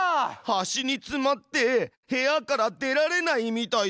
端につまって部屋から出られないみたいだよ。